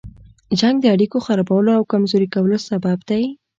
جنګ د اړيکو خرابولو او کمزوري کولو سبب دی.